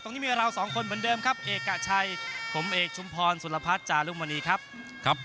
ตรงนี้มีเราสองคนเหมือนเดิมครับเอกชัยผมเอกชุมพรสุรพัฒน์จารุมณีครับครับ